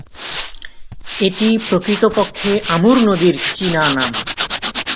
এটি প্রকৃতপক্ষে আমুর নদীর চীনা নাম।